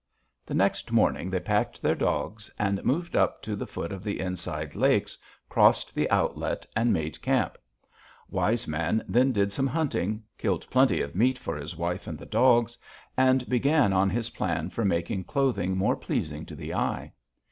"The next morning they packed their dogs and moved up to the foot of the Inside Lakes, crossed the outlet, and made camp. Wise Man then did some hunting, killed plenty of meat for his wife and the dogs, and began on his plan for making clothing more pleasing to the eye.